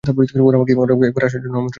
ওরা আমাকে একবার আসার জন্য আমন্ত্রণ জানিয়েছিল!